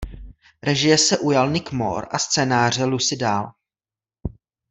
Režie se ujal Nick Moore a scénáře Lucy Dahl.